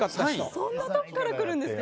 そんなとこからくるんですか？